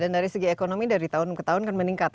dan dari segi ekonomi dari tahun ke tahun kan meningkat